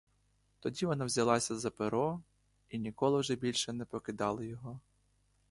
Тоді вона взялася за перо — і ніколи вже більше не покидала його.